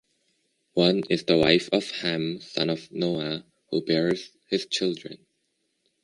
One is the wife of Ham, son of Noah, who bears his children.